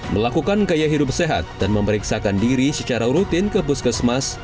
melakukan gaya hidup sehat dan memeriksakan diri secara rutin ke puskesmas